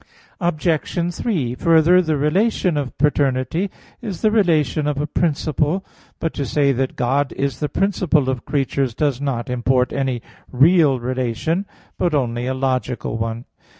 Obj. 3: Further, the relation of paternity is the relation of a principle. But to say that God is the principle of creatures does not import any real relation, but only a logical one.